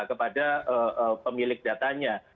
kepada pemilik datanya